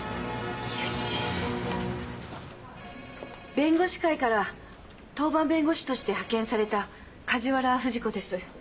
弁護士会から当番弁護士として派遣された梶原藤子です。